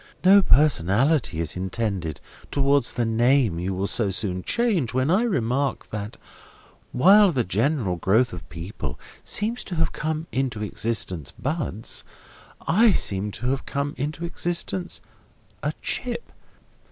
No personality is intended towards the name you will so soon change, when I remark that while the general growth of people seem to have come into existence, buds, I seem to have come into existence a chip.